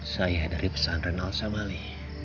saya dari pesan renal samali